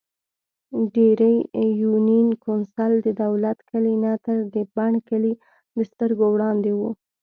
ډېرۍ يونېن کونسل ددولت کلي نه تر د بڼ کلي دسترګو وړاندې وو ـ